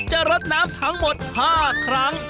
รดน้ำทั้งหมด๕ครั้ง